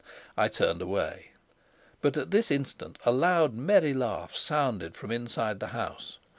I turned away. But at this instant a loud, merry laugh sounded from inside the house.